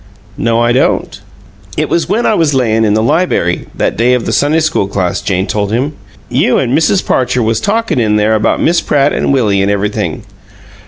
"No, I don't." "It was when I was layin' in the liberry, that day of the Sunday school class," Jane told him. "You an' Mrs. Parcher was talkin' in there about Miss Pratt an' Willie an' everything."